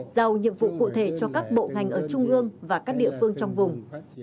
giao nhiệm vụ cụ thể cho các bộ ngành ở trung ương và các địa phương trong vùng